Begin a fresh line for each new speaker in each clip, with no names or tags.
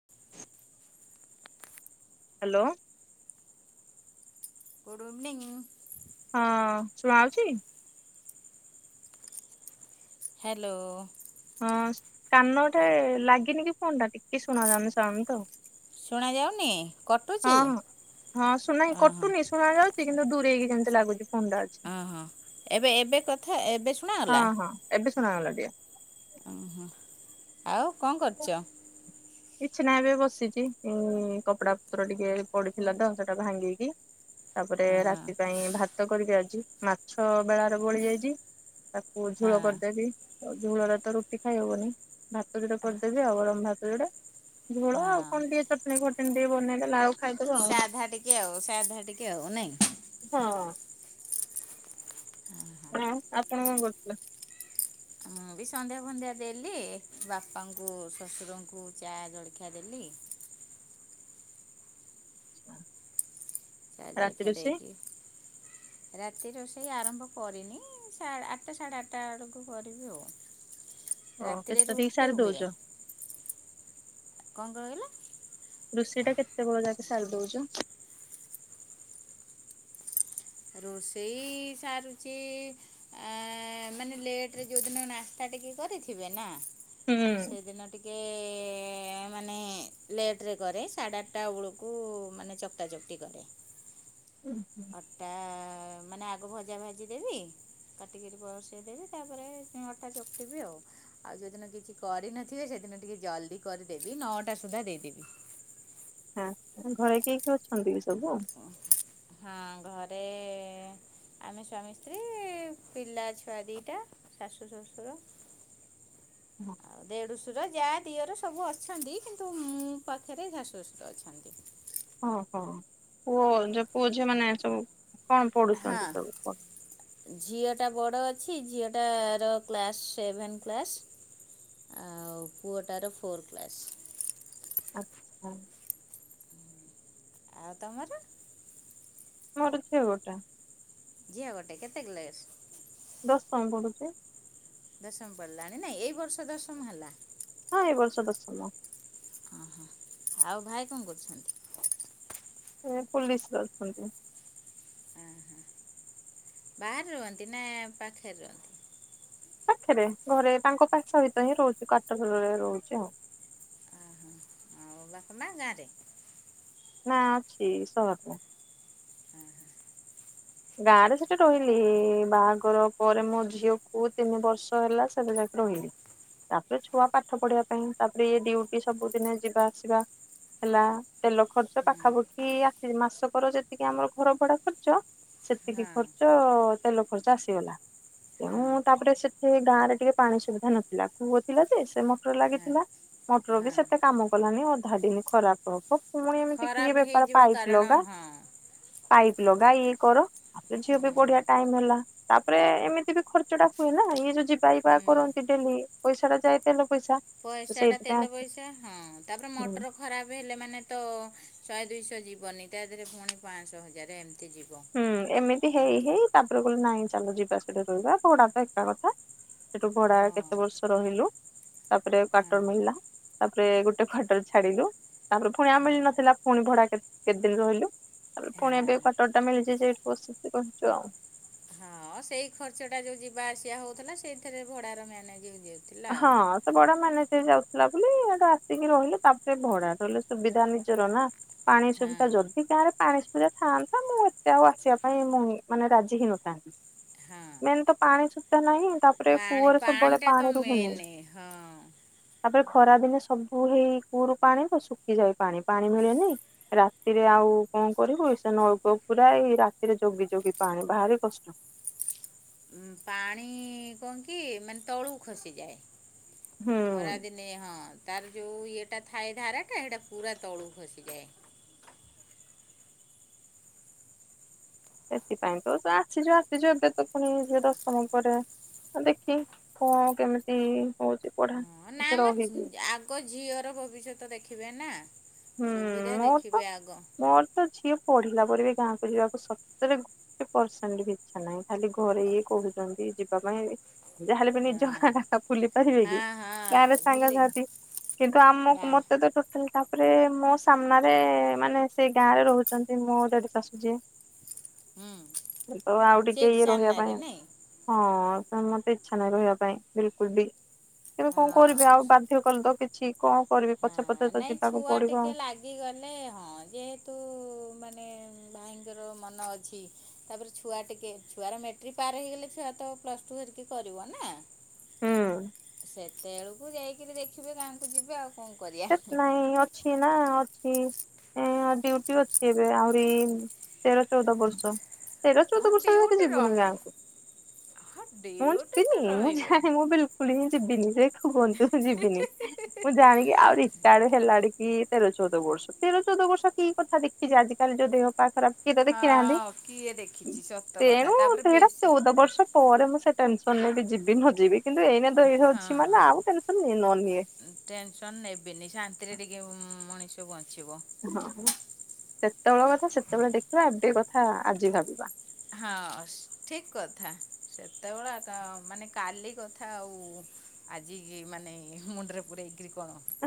[unintelligible] [inaudible] Hello.
Good evening.
ହଁ ଶୁଣାଯାଉଚି?
Hello.
ହଁ କାନଟେ ଲାଗିନି କି ଫୋନ୍ ଟା ଟିକେ ଶୁଣାଯାଉନି ସାଉଣ୍ଡ ତ।
ଶୁଣାଯାଉନି?
ହଁ, ହଁ, ସୁନା ହି
ଅଁ ହଁ
କଟୁନି ଶୁଣା ଯାଉଛି କିନ୍ତୁ ଦୂରେଇକି ଯେମିତି ଲାଗୁଚି।
ଓ ହଁ। ଏବେ ଏବେ କଥା ଏବେ
ହଁ
ଶୁଣାଗଲା?
ହଁ ଏବେ ଶୁଣାଗଲା ଟିକେ।
ଓହୋ। ଆଉ କଣ କରୁଚ?
କିଛି ନାହିଁ ଏବେ ବସିଚି ଉଁ କପଡା ପତ୍ର ଟିକେ ପଡିଥିଲା ତ ସେଟା ଭାଙ୍ଗିକି ତାପରେ
ହଁ
ରାତି ପାଇଁ ଭାତ କରିବି ଆଜି, ମାଛ ବେଳାର ବଳି ଯାଇଛି ତାକୁ
ହଁ
ଝୋଳ କରିଦେବି ଝୋଳରେ ତ ରୁଟି ଖାଇହବନି, ଭାତ ଯୋଡ଼େ କରିଦେବି ଆଉ ଗରମ ଭାତ ଯୋଡ଼େ। ଝୋଳ ଆଉ
ହଁ
କଣ ଟିକେ ଚଟଣି ଫଟଣି ଟିକେ ବନେଇଦେଲେ ଆଉ ଖାଇଦବା ଆଉ
ସାଧା ଟିକେ ଆଉ ସାଧା ଟିକେ ଆଉ ନାଇଁ।
ହଁ ହଁ। ଆପଣ କଣ କରୁଥିଲେ?
ମୁଁ ବି ସନ୍ଧ୍ୟା ଫନ୍ଧ୍ୟା ଦେଲି, ବାପାଙ୍କୁ ଶ୍ଵଶୁରଙ୍କୁ ଚା ଜଳଖିଆ ଦେଲି
ଯିବା।
ଚା ଜଳଖିଆ ଦେଇକି ରାତି ରୋଷେଇ ଆରମ୍ଭ କରିନି, ସାଢ଼ ଆଠଟା ସାଢେ ଆଠଟା ଆଡ଼କୁ କରିବି ଆଉ।
ଓ
ରାତିରେ
କେତେ ଠିକି
ରୁଟି
ସାରି
ହୁଏ।
ଦଉଛ
କଣ କହିଲ?
ରୋଷେଇ ଟା କେତେବେଳେ ଯାକେ ସାରି ଦଉଚ?
ରୋଷେଇ ସାରୁଚି ଆ ମାନେ ଲେଟ୍ ରେ ଯୋଉ ଦିନ ନାସ୍ତା ଟିକେ କରିିଥିବେ ନା,
ହୁଁ
ସେଦିନ ଟିକେ ମାନେ ଲେଟ୍ ରେ କରେ, ସାଢ଼େ ଆଠଟା ବଳକୁ ମାନେ ଚକଟା ଚକୁଟି କରେ। ଅଟା ମାନେ ଆଗ ଭଜା ଭାଜି ଦେବି କାଟିକିରି ବସେଇ ଦେବି, ତାପରେ ଅଟା ଚକୁଟି ବି ଆଉ। ଆଉ ଯୋଉଦିନ କିଛି କରିନଥିବି ସେ ସେଦିନ ଟିକେ ଜଲଦି କରିଦେବି, ନଅଟା ସୁଦ୍ଧା ଦେଇଦେବି।
ଆପଣଙ୍କ ଘରେ କିଏ କିଏ ଅଛନ୍ତି? ସବୁ?
ଓ ହଁ, ଘରେ ଆମେ ସ୍ୱାମୀ, ସ୍ତ୍ରୀ, ପିଲା ଛୁଆ ଦିଟା, ଶାଶୁ, ଶଶୁର। ଆଉ ଦେଢ଼ସୁ ଶୁର, ଯା, ଦିଅର ସବୁ ଅଛନ୍ତି କିନ୍ତୁ ମୋ ପାଖରେ ଶାଶୁ, ଶୁଶୁର ଅଛନ୍ତି।
ଓହୋ, ପୁଅ ଯୋଉ ପୁଅଝିଅ ମାନେ ସବୁ କଣ ପଢୁଛନ୍ତି ସବୁ
ହଁ
କଣ?
ଛି ଝିଅଟାର କ୍ଲାସ୍ ସେଭେନ୍ କ୍ଲାସ୍। ଆଉ ପୁଅଟାର ଫୋର୍ କ୍ଲାସ୍।
ଆଚ୍ଛା।
ଆଉ ତମର?
ମୋର ଝିଅ ଗୋଟେ।
ଝିଅ ଗୋଟେ କେତେ ଗ୍ଲାସ୍?
ଦଶମ ପଢ଼ୁଛି।
ଦଶମ ପଡିଲାଣି ନାଇଁ, ଏଇ ବର୍ଷ ଦଶମ ହେଲା?
ହଁ, ଏ ବର୍ଷ ଦଶମ।
ଓହୋ, ଆଉ ଭାଇ କଣ କରୁଛନ୍ତି?
ଏ ପୁଲିସ୍ ରେ ଅଛନ୍ତି।
ଓହୋ, ବାହାରେ ରୁହନ୍ତି ନା ପାଖରେ ରୁହନ୍ତି?
ପାଖରେ ଘରେ, ତାଙ୍କ ପାଖ ସହିତ ହିଁ ରହୁଛୁ କ୍ୱାଟରେ ରହୁଛିଆଉ।
ଓହୋ। ଆଉ ବାପ ମାଆ ଗାଁରେ?
ନା, ଅଛି ସହରରେ।
ହଁ, ହଁ।
ଗାଁ ରେ ସେଠି ରହିଲି ବାହାଘର ପରେ ମୋ ଝିଅ କୁ ତିନି ବର୍ଷ ହେଲା ସେବେ ଜାଗେ ରହିଲି, ତାପରେ ଛୁଆ ପାଠ ପଢିବା ପାଇଁ ତାପରେ ଇଏ ଡିଉଟି ସବୁଦିନେ ଯିବା ଆସିବା ହେଲା ତେଲ ଖର୍ଚ୍ଚ
ହଁ
ପାଖାପାଖି ଆସି ମାସକ ଯେତିକି ଆମର ଘର ଭଡା ଖର୍ଚ୍ଚ ସେତିକି
ହଁ
ଖର୍ଚ୍ଚ ତେଲ ଖର୍ଚ ଆସିଗଲା। ତେଣୁ
ହଁ
ତାପରେ ସେଠି ଗାଁରେ ଟିକେ ପାଣି ସୁବିଧା ନଥିଲା କୂଅ ଥିଲା ଯେ ସେ ମଟର
ହଁ
ଲାଗିଥିଲା। ମୋଟର ବି
ହଁ
ସେତେ କାମ କଲାନି ଅଧା ଦିନ ଖରାପ ହବ। ପୁଣି ଏମିତି କିଏ
ଖରାପ ହେଇଯିବ କାରଣ ହଁ।
ପାଇପ ଲଗାଇ କର ତାପରେ ଝିଅ ବି ବଢିଆ ଟାଇମ ହେଲା ତାପରେ ଏମିତି ବି ଖର୍ଚ୍ଚ ଟା ହୁଏ ନା ଇଏ ଯୋଉ ପାଇବା
ହୁଁ
କରନ୍ତି ଡେଲି ପଇସା ଟା ଯାଇତେ ଲ
ପଇସା ଟା ତେଲ ପଇସା ହଁ ତାପରେ
ହୁଁ
ମଟର ଖରାପ ହେଲେ ମାନେ ତ ଶହେ ଦୁଇ ଶହ ଯିବ ନାହିଁ ତା ଦେହରେ ପୁଣି ପାଞ୍ଚ ଶହ ହଜାର ଏମିତି। ଯିବ
ହୁଁ ଏମିତି
ଆଉ
ହେଇ
ଦୁ-
ହେଇ ତାପରେ କହିଲେ ନାଇଁ ଚାଲ ଯିବା ସେଠା ରହିବା ଉଡା ତ ଏକା କଥା। ସେଠୁ ଭଡା
ହଁ
କେତେ ବର୍ଷ ରହିଲୁ। ତାପରେ
ହଁ
କାଟର ମିଳିଲା। ତାପରେ ଗୋଟେ ଖଟରେ ଛାଡିଲୁ ତାପରେ ପୁଣିଆ
ହଁ
ମିଳି ନଥିଲା ପୁଣି ଭଡା କେ କେତେ ଦିନ ରହିଲୁ। ତାରେ
ହଁ
ପୁଣି ଏ ଫଟର ଟା ମିଳିଛି ଯଠି ବସ୍ତ ରହୁଛୁ ଆଉ।
ହଁ ସେଇ ଖର୍ଚ୍ଚ ଟା ଯୋଉ ଯିବା ଆସିବା ହଉଥିଲା ସେଇଥିରେ ଭଡାର ମାନେ ଯ
ହଁ ତ ବଡ ମାନେ ସେ ଯାଉଥିଲା ବୋଲି ଏଟା ଆସିକି ରହିଲେ ତାପରେ ଭଡା ରହିଲେ ସୁବିଧା ନିଜର ନା ପାଣି
ହଁ
ସୁବିଧା ଯଦି ଗାଁରେ ପାଣିଶ ପୂଜା ଥାନ୍ତା ମୁଁ ଏତେ ଆଉ ଆସିବା ପାଇଁ ମୁ ମାନେ ରାଜି ହେଇଁ ନଥାନ୍ତି।
ହଁ
ମେନ୍ ତ ପାଣି ସୁଦ୍ଧା ନାହିଁ ତାପରେ କୂଅରେ ସବୁବେଳେ ପାଣି ରୁହେନି।
ନେନେ ହଁ।
ତାପରେ ଖରା ଦିନେ ସବୁ ହେଇ କୂଅରୁ ପାଣି ତ ଶୁଖିଯାଏ ପାଣି ପାଣି ମିଳେନି ରାତିରେ ଆଉ କଣ କରିବୁ ସେ ନଳକ ପୁର ଏ ରାତିରେ ଜଗି ଜଗି ପାଣି ବାହାରି କଷ୍ଟ।
ଉ ପାଣି କଣ କି ମାନେ ତଳୁକୁ ଖସିଯାଏ।
ହୁଁ।
ଖରାଦିନେ ହଁ। ତାର ଯୋଉ ଇଏଟା ଥାଏ ଧାରା ଟା ସେଇଟା ପୁରା ତଳୁ ଖସିଯାଏ।
ସେଥିପାଇଁ ତ ଆସିଛୁ, ଆସିଛୁ, ଏବେ ତ ପୁଣି ଯ ଦଶତମ ପରେ ଦେଖି କଣ କେମିତି ହଉଛି ପଢା ଏଠି
ଆମ
ରହିବି
ଆଗ ଝିଅର ଭବିଷ୍ୟତ ଦେଖିବେ ନା?
ହୁଁ
ସୁବିଧା
ମୋର ତ
ଦେଖିବେ ଆଗ
ମୋର ତ ଝିଅ ପଢିଲା ପରେ ବି ଯିବା ପାଇଁ, ଯାହା ହେଲେ ବି
ହଁ
ନିଜ ବୁଲି ପାରିବେ କି
ହଁ ହଁ
-ଗାଁରେ
ଭୁଲି
ସାଙ୍ଗସାଥି କିନ୍ତୁ ଆମକୁ
ଗାଁ
ମତେ ତ ଟୋଟାଲ ତାପରେ ମୋ ସାମ୍ନାରେ ମାନେ ସେ ଗାଁରେ ରହୁଛନ୍ତି ମୋ ଦେଢ଼ ଶାଶୁ ଯିଏ
ହୁଁ
ତ ଆଉ ଟିକେ
ସେଇଠି
ଇଏ ରହିବା
ସାମ୍ନାରେ
ପାଇଁ
ନାଇଁ
ହଁ। ତ ମତେ ଇଚ୍ଛା ନାହିଁ ରହିବା ପାଇଁ ବିଲକୁଲ ବି ତବେ କଣ କରିବି
ହଁ
ଆଉ, ବାଧ୍ୟ କଲ ତ କିଛି କଣ କରିବି ପଛ ପଛେ ତ ଯିବାକୁ।
କୁଆ
ପଡିବ
ଟିକେ
ଆଉ
ଲାଗିଗଲେ ହଁ ଯେହେତୁ ଭାଇଙ୍କର ମନ ଅଛି ତାପରେ ଛୁଆ ଟିକେ ଛୁଆର ମେଟ୍ରିକ ପାର ହେଇଗଲେ ଛୁଆ ତ ପ୍ଲସ ଟୁ। କରିବ ନା
ହୁଁ
ସେତେବେଳକୁ ଯାଇକିରି ଦେଖିବେ, କାହାକୁ ଯିବେ ଆଉ କଣ। କରିବା।
ସେ ନାଇଁ। ଅଛି ନା ଅଛି ଡୁଟି ଅଛି ଏବେ ଆହୁରି। ତେର ଚଉଦ ବର୍ଷ, ତେର
ହଁ
ଚଉଦ ବର୍ଷ ହେତ
ଡ୍ୟୁଟି
ଯିବୁନି
ରହିବ
ଗାଁକୁ।
ହଁ
ମୁ
ଡ୍ୟୁଟି ତ
ଯିବିନି
ରହିବ।
ବିଲକୁଲ। ଯିବ [unintelligible] ହେଲାଡ କି ତେର ଚଉଦ ବର୍ଷ, ତେର ଚଉଦ ବର୍ଷ କି କଥା ଦେଖିଛି ଆଜି କାଲି ଯୋଉ ଦେହ ପା ଖରାପ ଗୀ [unintelligible] ତ ଦେଖି ନାହାନ୍ତି
ହଁ କିଏ ଦେଖିଛି ସତ କଥା ତାପରେ
ଟେନସନ ରଇ
ବେଶୀ
ରାଉଛି ମାନେ
ହଁ
ଆଉ ଟେନସନ ନିଏ ନ ନିଏ
ବେନି ଶାନ୍ତିରେ ଟିକେ ମଣିଷ ବଞ୍ଚିବ।
ସେତେବେଳେ କଥା ସେତେବେଳେ ଦେଖିବା ଏବେ କଥା ଆଜି ଭାବିବା।
ହଁ ଠିକ କଥା, ସେତେବେଳେ ମାନେ କାଲି କଥା ଆଉ। ଆଜି ଏମାନେ ମୁଣ୍ଡରେ ପୁରେଇ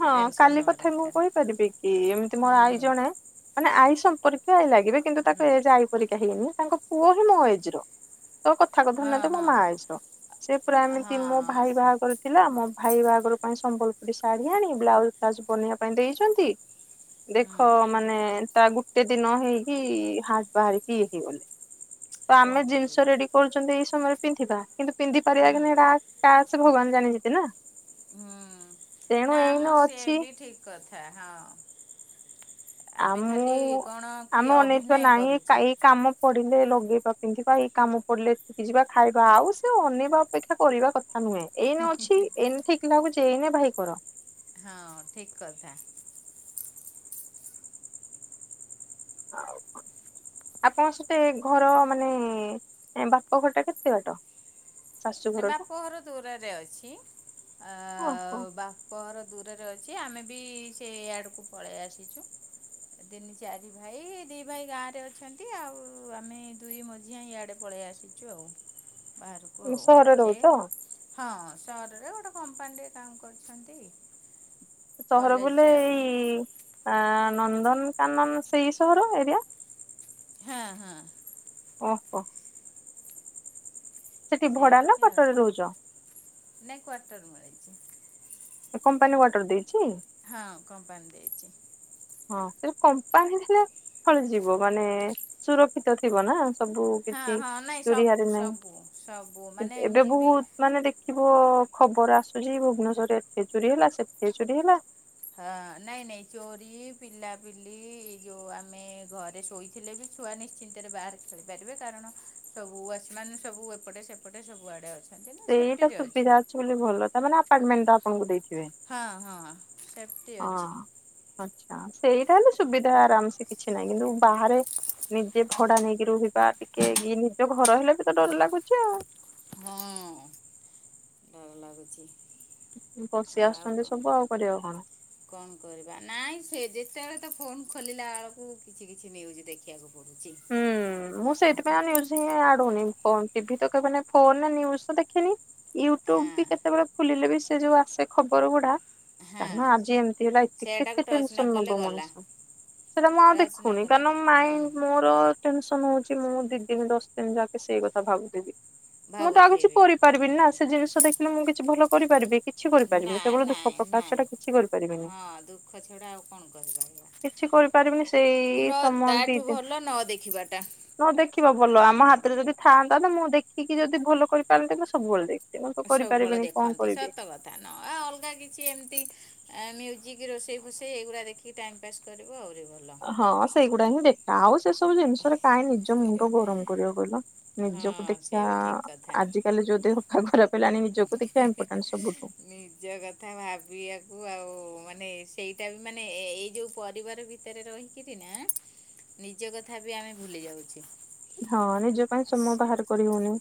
ହଁ କାଲି କଥା ମୁଁ କହିପାରିବି କି? ଏମିତି ମୋର
ହୁଁ
ଆଈ ଜଣେ ମାନେ ଆଈ। ସମ୍ପର୍କୀୟ ଲାଗିବେ କିନ୍ତୁ
ହୁଁ
ତାଙ୍କ ଏଜ ଆଈ ପରିକା ହେଇନି। ତାଙ୍କ ପୁଅ ହିଁ ମୋ ଏଜର। ତୋ କଥା କୁ ଧ୍ୟାନ
ହଁ
ଦିଅ ମୋ
ହଁ
ମା ଏଜର। ସେ ପୁରା ଏମିତି ମୋ
ହଁ
ଭାଇ ବାହାଘର ଥିଲା ମୋ। ଭାଇ ବାହାଘର ପାଇଁ ସମ୍ବଲପୁରୀ ଶାଢ଼ୀ ଆଣି ବ୍ଲାଉଜ ଫ୍ଲାଉଜ ବନେଇବା ପାଇଁ ଦେଇଛନ୍ତି।
ହୁଁ
ଦେଖ ମାନେ ତା ଗୋଟେ ଦିନ ହେଇକି ହାଟ ବାହାରିକିଇ ହେଇଗଲେ। ତ
କଣ
ଆମେ
କରିବ
ଜିନିଷ ରେଡି କରୁଛନ୍ତି। ଏଇ ସମୟରେ ପିନ୍ଧିବା କିନ୍ତୁ ପିନ୍ଧି ପାରିବା
ହୁଁ
କି ନା ଏଟ। ସେ ଭଗବାନ ଜାଣିଛନ୍ତି ନା।
ହୁଁ
ତେଣୁ
ନା
ଏଇନ
ମ ସିଏ
ଅଛି
ବି ଠିକ କଥା। ହଁ। ଆମେ
ଆମୁଁ
ଖାଲି କଣ କି
ଆମେ ଅନେଇଥିବା
ଅଭିନୟ
ନାହିଁ
କରୁଛେ
ଏହି କାମ ପଡିଲେ ଲ। ଗେଇବା ପିନ୍ଧିବା ଏଇ କାମ ପଡିଲେ ଠିକି ଯିବା। ଖାଇବା ଆଉ ସେ ଅନେଇବା ଅପେକ୍ଷା କରିବା କଥା। ନୁହେଁ। ଏଇନେ ଅଛି ଏଇନେ ଠିକ ଲାଗୁଛି ଏଇନେ ଭାଇ କର।
ହଁ ଠିକ କଥା। [unintelligible]
ଆପଣଙ୍କ ସତେ ଘର ମାନେ ବାପଘର ଟା କେତେ ବାଟ? ଶାଶୁ
ନା
ଘରଠୁ?
ବାପ ଘର ଦୂରରେ ଅଛି। ଆ
ଓହୋ
ବାପଘର ଦୂର ରେ ଅଛି। ଆମେ ବି ସେଆଡକୁ ପଳେଇ ଆସିଛୁ। ଦିନି ଚାରି ଭାଇ। ଦି ଭାଇ ଗାଁ ରେ ଅଛନ୍ତି ଆଉ ଆମେ ଦୁଇ ମଝିଆ ଇଆଡେ ପଳେଇ ଆସିଛୁ ଆଉ ବାହାରକୁ ଆଉ।
ସହରରେ ରହୁଛ?
ହଁ ସହରରେ ଗୋଟେ କମ୍ପାନୀରେ କାମ କରୁଛନ୍ତି।
ସହର ବୋଲେ ଏଇ ଆ। ନନ୍ଦନକାନନ ସେଇ ସହର ଏରିଆ।
ହଁ ହଁ।
ଅହୋ। ନା
ସେମତି ଆଉ
କ୍ୱାଟରରେ ରହୁଛ
ନାଇଁ କ୍ଵାଟର ମିଳିଚି।
କମ୍ପାନୀ କ୍ୟାଟର ଦେଇ
ହଁ କମ୍ପାନୀ ଦେଇଚି।
ହଁ ସେ କମ୍ପାନୀ ଥିଲେ ଥଳି ଯିବ ମାନେ ସୁରକ୍ଷିତ ଥିବ ନା। ସବୁ
ହଁ
କିଛି
ହଁ ନାଇଁ
ଚୋରି
ସବୁ
ହାରି
ସବୁ ସବୁ
ନାହିଁ।
ମାନେ
ଏବ୍ ଏବେ
ଏମିତି ବି
ବହୁତ ମାନେ ଦେଖି ଓ ଓ ଖବର ଆସୁଚି ଭୁବନେଶ୍ୱରରେ ଏତେ ଚୋରି ହେଲା ସେତେ ଚୋରି ହେଲା।
ହଁ ନାଇଁ ନାଇଁ ଚୋରି ପିଲାପିଲି ଏଇ ଯୋଉ ଆମେ ଘରେ ଶୋଇଥିଲେ ବି ଛୁଆ ନିଶ୍ଚିନ୍ତରେ ବାହାରେ ଖେଳିପାରିବେ। କାରଣ ସବୁ ୱାଚମ୍ୟାନ ସବୁ ଏପଟେ ସେପଟେ ସବୁଆଡ଼େ ଅଛ
ସେଇଟା ସୁବିଧା ଅଛି ବୋଲି ଭଲ ତାମାନେ ଆପାର୍ଟମେଣ୍ଟଟା ଆପଣଙ୍କୁ ଦେଇଚି।
ହଁ ହଁ ସେପଟି ଅଛି।
ସେଇ ତାହଲେ ସୁବିଧା ଆରାମ ସେ କିଛି ନାହିଁ କିନ୍ତୁ ବାହାରେ ନିଜେ ଭଡା ନେଇକି ରୋହିବା ଟିକେ ଇ ନିଜ ଘର ହେଲେ ବି ତ ଡର ଲାଗୁଛି ଆଉ।
ହଁ ଡର ଲାଗୁଛି।
ପଶି
ଆଉ
ଆସୁଛନ୍ତି
କଣ
ସବୁ ଆଉ କରିବା କଣ?
କଣ କରିବା। ନାଇଁ ସେ ଯେତ୍ ତେବେଳେ ତ ଫୋନ ଖୋଲିଲା ଆଳକୁ କିଛି କିଛି ନ୍ୟୁଜ ଦେଖିଆକୁ
ହୁଁ ମୁଁ ସେଇଥିପାଇଁ ଆଉ ନ୍ୟୁଜ ହିଁ ଆଡ୍ ହଉନି। ଫୋନ୍ ଟିଭି ତ କେବନାଇ ଫୋନ ନ୍ୟୁଜ ତ ଦେଖେନି। ୟୁଟୁବ ବି
ହଁ
କେତେବେଳେ ଖୁଲିଲେ ବି ସେ ଯୋଉ ଆସେ ଖବର ଗୁଡା
ହଁ
କାରଣ ଆଜି ଏମତି ହେଲା ଏତେ
ସେଟାକୁ
କେତେ
ଟଚ୍ ନ
ଟେନସନ
କଲେ
ନବ
ଗଲା
ମଣିଷ। ସେଇଟା ମୁଁ ଆଉ
ଟଚ୍ ନ
ଦେଖୁନି।
କଲେ
କାରଣ ମାଇଁଣ୍ଡ୍
ହୁଁ
ମୋ ମୋର ଟେନସନ୍ ହଉଚି ମୁଁ ଦି ଦିନ ଦଶ ଦିନ ଯାକେ ସେଇ କଥା ଭାବୁଥିବି। ମୁଁ ତ ଆଉ କିଛି
ଭାବୁଥିବି।
କରିପାରିବିନି ନା। ସେ ଜିନିଷ ଦେଖିଲେ ମୁଁ କିଛି ଭଲ କରିପାରିବି କି?
ନା ନାଇଁ ନାଇଁ
କରିପାରିବିନି।
ହଁ ଦୁଃଖ ଛଡା ଆଉ କଣ କରିପାରିବା?
କହିପାରିବିନି ସେଇ
ନ
ସମାନ୍ ଦି
ତାଠୁ
ଦିନ୍।
ଭଲ ନ ଦେଖିବାଟା
ଦେଖିବା ଭଲ ଆମ ହାତରେ ଯଦି ଥାଆନ୍ତା ତ ମୁଁ ଦେଖିକି ଯଦି ଭଲ କରିପାରନ୍ତେ ମୁଁ ସବୁବେଳେ ଦେଖି ମୁଁ ତ
ସବୁବେଳେ
କରିପାରିବିନି କଣ
ଦେଖନ୍ତି
କରିବି।
ସତ କଥା, ନ ଆ ଅଲଗା କିଛି ଏମତି ଆ ମ୍ୟୁଜିକ୍ ରୋଷେଇ ଫୋଷେଇ ଏଗୁଡା ଦେଖିକି ଟାଇମ ପାସ୍ କରିବୁ ଆଉ।
ହଁ ସେଇଗୁଡା ହିଁ ଦେଖେ ଆଉ ସେ ସବୁ ଜିନିଷରେ କାଇଁ ନିଜ ମୁଣ୍ଡ ଗରମ କରିବ କହିଲ
ହଁ
ନିଜକୁ
ସେ
ଦେଖିବା
ବି ଠିକ୍ କଥା
ଆଜିକାଲି ଯୋଉ ଦେହ ପା ଖରାପ [unintelligible] ଇମ୍ପୋର୍ଟାଣ୍ଟ ସବୁଠୁ।
ନିଜ କଥା ଭାବିବାକୁ ଆଉ ମାନେ ସେଇଟା ବି ମାନେ ଏଇ ଯୋଉ ପରିବାର ଭିତରେ ରହିକିରି ନା ନିଜ କଥା ବି ଆମେ ଭୁଲି ଯାଉଚି।
ହଁ ନିଜ ପାଇଁ ସମୟ ବାହାର କରି ହଉନି।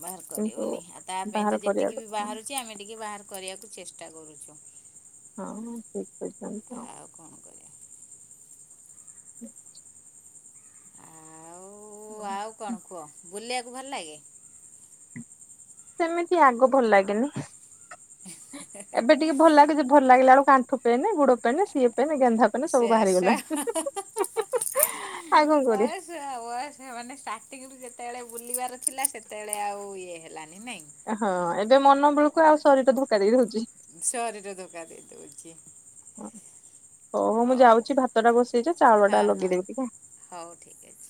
ବାହାର
କିନ୍ତୁ
କରିବନି ଆଉ ତା ପାଇଁ
ବାହାର
ତ
କରିବା
ଯେତିକି ବି
କଥା।
ବାହାରୁଛି ଆମେ ଟିକେ ବାହାର କରିବାକୁ ଚେଷ୍ଟା କରୁଛୁ।
[unintelligible]
ଆଉ କଣ କରିବା
[inaudible]
ଓ ଆଉ କଣ କୁହ ବୁଲିବାକୁ ଭଲ ଲାଗେ?
ସେମିତି ଆଗ ଭଲ ଲାଗେନି ଏବେ ଟିକେ ଭଲ ଲାଗେ ଯେ ଭଲ ଲାଗିଲା ବୋଳୁ ଗୁଡ଼ ପେନ୍ ଗେନ୍ଧା ପେନ୍ ସବୁ
ସେ ସେ ହା
ବାହାରିଗଲାଣି।
ହା ହା ହା ହା ହା ହା
ଆଉ କଣ କରିବା
ବୟସ ବୟସ ମାନେ ଷ୍ଟାର୍ଟିଂ ରୁ ଯେତେବେଳେ ବୁଲିବାର ଥିଲା ସେତେବେଳେ ଆଉ ଇଏ ହେଲାନି ନାଇଁ
ହଁ, ଏବେ ମନ ବେଳକୁ ଆଉ ଶରୀର ଧୋକା ଦୋଉ
ସରିର ଧୋକା ଦେଇ ଦେଉଛି।
ହୋଉ ମୁଁ ଯାଉଛି ଭାତ ଟା ବସେଇଚି ଚାଉଳ ଟା
ହଁ ହଁ
ଲଗେଇଦବି ଟିକେ
ହଉ ଠିକ୍ ଅଛି।